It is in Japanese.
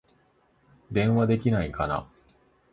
電話できないかな